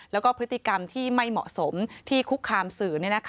แล้วก็พฤติกรรมที่ไม่เหมาะสมที่คุกคามสื่อ